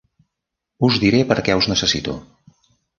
Us diré perquè us necessito.